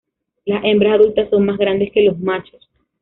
Las hembras adultas son más grandes que los machos.